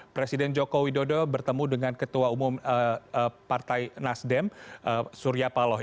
presiden joko widodo bertemu dengan ketua umum partai nasdem surya paloh